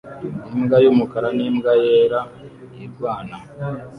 Imbwa y'umukara n'imbwa yera irwana